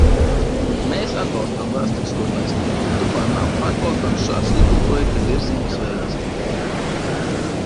Mēs atbalstām vēsturisko taisnīgumu, tomēr nav atbalstāms šāds likumprojekta virzības veids.